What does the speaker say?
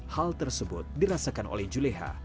hal tersebut dirasakan oleh juleha